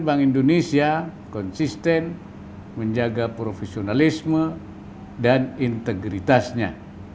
bank indonesia konsisten menjaga profesionalisme dan integritasnya